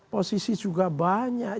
posisi juga banyak